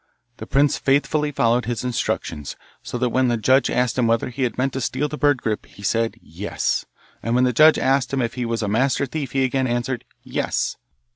The prince faithfully followed his instructions, so that when the judge asked him whether he had meant to steal the bird Grip he said 'Yes,' and when the judge asked him if he was a master thief he again answered 'Yes.